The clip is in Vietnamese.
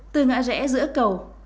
từ ngã rẽ giữa cầu